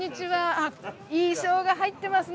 あっいいしょうが入ってますね。